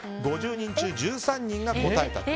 ５０人中１３人が答えたと。